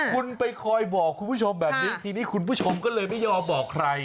คุณไปคอยบอกคุณผู้ชมแบบนี้ทีนี้คุณผู้ชมก็เลยไม่ยอมบอกใคร